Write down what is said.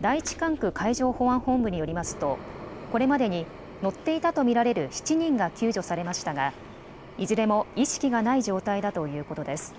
第１管区海上保安本部によりますとこれまでに乗っていたと見られる７人が救助されましたがいずれも意識がない状態だということです。